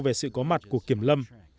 về sự có mặt của kiểm lâm